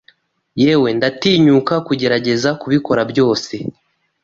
Yewe ndatinyuka kugerageza kubikora byose